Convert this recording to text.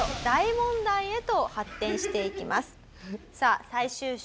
さあ最終章。